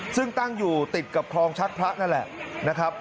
ซึ่งตั้งอยู่ติดกับคลองชักพระนั่นแหละนะครับ